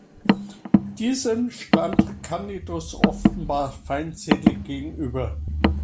Diesem stand Candidus offenbar feindselig gegenüber.